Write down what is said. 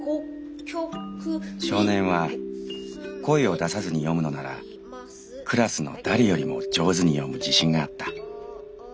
「少年は声を出さずに読むのならクラスの誰よりも上手に読む自信があった。